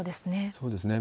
そうですね。